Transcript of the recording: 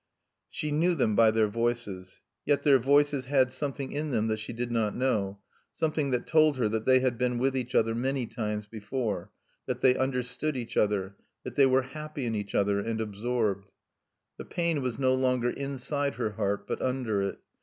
She knew them by their voices. Yet their voices had something in them that she did not know, something that told her that they had been with each other many times before; that they understood each other; that they were happy in each other and absorbed. The pain was no longer inside her heart but under it.